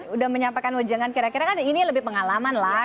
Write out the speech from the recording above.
udah menyampaikan ujangan kira kira kan ini lebih pengalaman lah